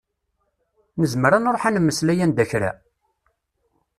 Nezmer ad nruḥ ad nmeslay anda kra?